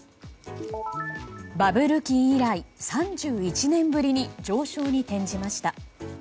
バブル期以来３１年ぶりに上昇に転じました。